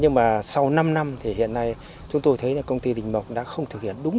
chúng tôi thấy rằng cái việc làm của công ty đình mộc là vi phạm là sai so với quy định